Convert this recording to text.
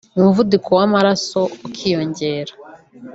umuvuduko w’amaraso ukiyongera